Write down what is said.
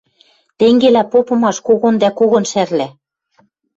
Тенгелӓ попымаш когон дӓ когон шӓрлӓ.